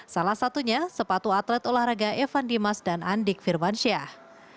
salah satunya sepatu atlet olahraga evan dimas dan andik firmansyah